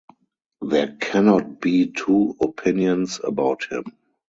There cannot be two opinions about him.